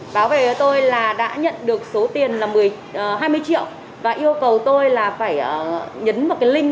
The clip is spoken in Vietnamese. báo về với tôi là đã nhận được số tiền hai mươi triệu và yêu cầu tôi là phải nhấn vào link